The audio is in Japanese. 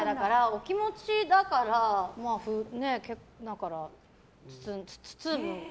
お気持ちだから結構包む。